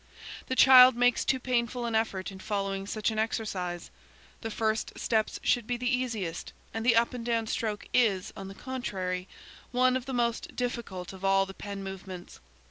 The child makes too painful an effort in following such an exercise. The first steps should be the easiest, and the up and down stroke, is, on the contrary, one of the most difficult of all the pen movements.